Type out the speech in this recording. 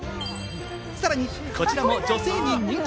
さらにこちらも女性に人気！